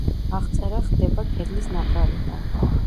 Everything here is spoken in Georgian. აღწერა ხდება კედლის ნაპრალიდან.